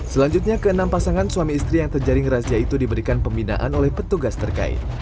selanjutnya ke enam pasangan suami istri yang terjaring razia itu diberikan pembinaan oleh petugas terkait